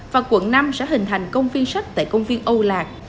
và quận năm sẽ hình thành công viên sách tại công viên âu lạc